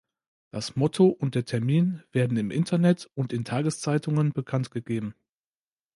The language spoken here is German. Das Motto und der Termin werden im Internet und in Tageszeitungen bekannt gegeben.